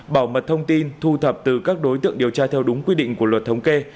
bảo mật thông tin thu thập từ các đối tượng điều tra theo đúng quy định của luật thống kê